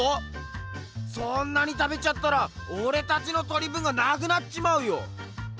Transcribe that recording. そんなに食べちゃったらオレたちのとり分がなくなっちまうよ！